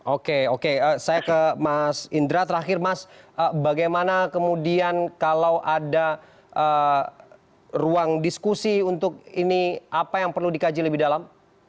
oke oke saya ke mas indra terakhir mas bagaimana kemudian kalau ada ruang diskusi untuk ini apa yang perlu dikaji lebih dalam